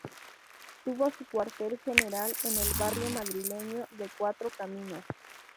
Tuvo su cuartel general en el barrio madrileño de Cuatro Caminos.